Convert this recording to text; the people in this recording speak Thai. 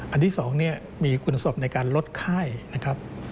อันที่สองมีคุณสมในการลดไข้นะครับ